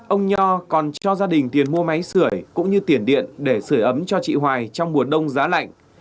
ông nho còn cho gia đình tiền mua máy sửa cũng như tiền điện để sửa ấm cho chị hoài trong mùa đông giá lạnh